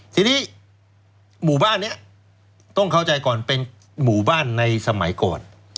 ทีนี้หมู่บ้านนี้ต้องเข้าใจก่อนเป็นหมู่บ้านในสมัยก่อน